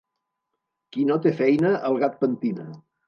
Qui no té feina el gat pentina.